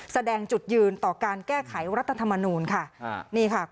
แสดงจุดยืนต่อการแก้ไขรัตถมนูนค่ะ